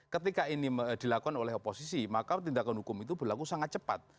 ketika ini dilakukan oleh oposisi maka tindakan hukum itu berlaku sangat cepat